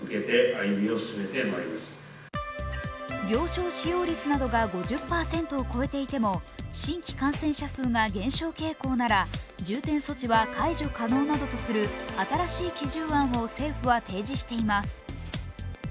病床使用率が５０％を超えていても新規感染者数が減少傾向なら重点措置は解除可能などとする新しい基準案を政府は提示しています。